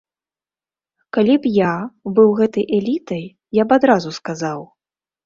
Калі б я быў гэтай элітай, я б адразу сказаў.